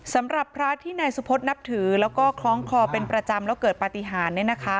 สำหรับพระที่นายสุพธนับถือแล้วก็คล้องคอเป็นประจำแล้วเกิดปฏิหาร